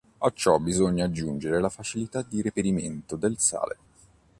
A ciò bisogna aggiungere la facilità di reperimento del sale.